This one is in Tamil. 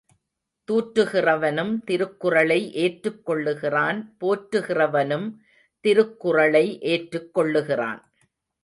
தூற்றுகிறவனும் திருக்குறளை ஏற்றுக் கொள்ளுகிறான் போற்றுகிறவனும் திருக்குறளை ஏற்றுக்கொள்ளுகிறான்.